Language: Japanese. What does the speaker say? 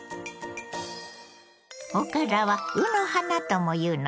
おからは「うの花」ともいうのよ。